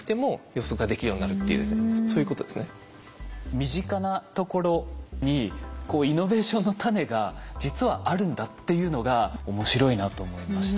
身近なところにイノベーションの種が実はあるんだっていうのが面白いなと思いました。